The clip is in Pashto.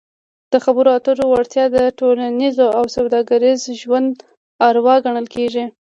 د خبرو اترو وړتیا د ټولنیز او سوداګریز ژوند اروا ګڼل کیږي.